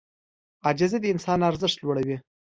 عاجزي د انسان ارزښت لوړوي.